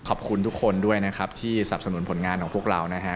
ขอบคุณทุกคนด้วยนะครับที่สับสนุนผลงานของพวกเรานะฮะ